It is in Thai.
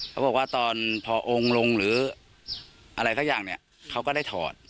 เขาบอกว่าตอนพอองค์ลงหรืออะไรสักอย่างเนี่ยเขาก็ได้ถอด